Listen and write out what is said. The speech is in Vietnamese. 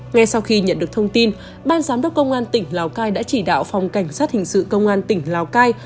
ngay sau khi nhận được thông tin ban giám đốc công an tỉnh lào cai đã chỉ đạo phòng cảnh sát hình sự công an tỉnh lào cai